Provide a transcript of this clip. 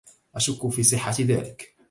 أشكّ في صحة ذلك.